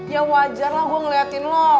ya wajar lah gue ngeliatin lo